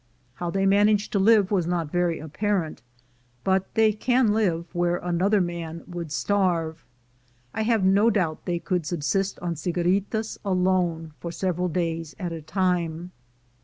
How they managed to live was not very apparent, but they can live where another man would starve. I have no doubt they could subsist on cigaritas alone for several days at a time.